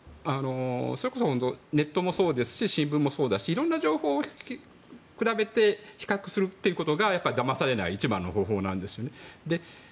それこそネットもそうだし新聞もそうだしいろんな情報を比べて比較するということがだまされない一番の方法です。